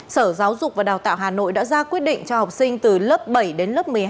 sở giáo dục và đào tạo hà nội đã ra quyết định cho học sinh từ lớp bảy đến lớp một mươi hai